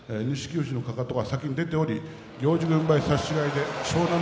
富士のかかとが先に出ており行司軍配差し違えで湘南乃